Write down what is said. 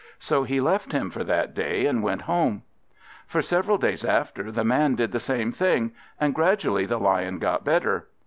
So he left him for that day, and went home. For several days after, the man did the same thing; and gradually the Lion got better.